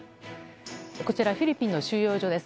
こちら、フィリピンの収容所です。